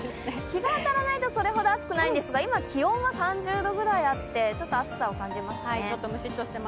日が当たらないとそれほど暑くないんですが、今、気温が３０度くらいあってちょっと暑さを感じますね。